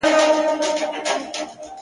هغې به تکه سپينه خوله باندې روژه راوړې_